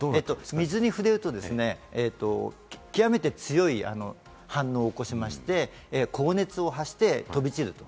水に触れると極めて強い反応を起こしまして、高熱を発して飛び散ると。